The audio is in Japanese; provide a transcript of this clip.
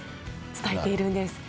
伝えているんです。